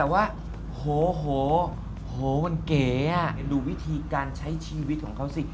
แต่ว่าโหมันเก๋ดูวิธีการใช้ชีวิตของเขาสิ